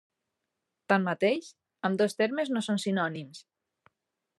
Tanmateix, ambdós termes no són sinònims.